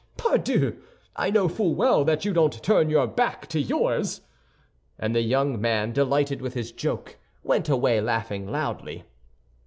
"Ah, pardieu! I know full well that you don't turn your back to yours." And the young man, delighted with his joke, went away laughing loudly.